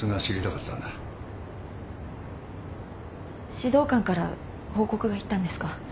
指導官から報告がいったんですか？